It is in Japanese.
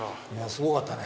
すごかったね。